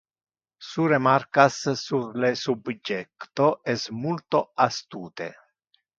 Su remarcas sur le subjecto es multo astute.